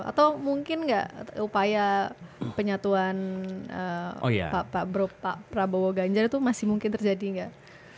atau mungkin nggak upaya penyatuan pak prabowo ganjar itu masih mungkin terjadi enggak